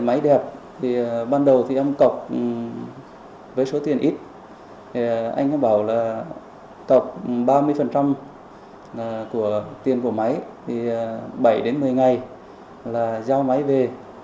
máy đẹp ban đầu em cọc với số tiền ít anh ấy bảo là cọc ba mươi tiền của máy bảy một mươi ngày là giao máy về